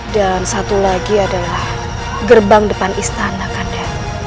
dan satu lagi adalah gerbang depan istana kanda